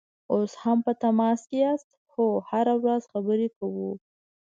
اوس هم په تماس کې یاست؟ هو، هره ورځ خبرې کوو